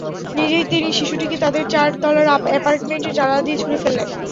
নিজেই তিনি শিশুটিকে তাঁদের চার তলার অ্যাপার্টমেন্টের জানালা দিয়ে ছুড়ে ফেলেন।